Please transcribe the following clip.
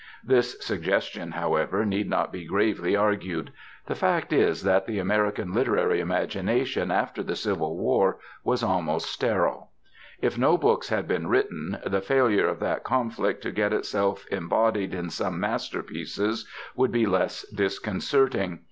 This suggestion, however, need not be gravely argued. The fact is that the American literary imagination after the Civil War was almost sterile. If no books had been written, the failure of that conflict to get itself embodied in some masterpieces would be less disconcerting.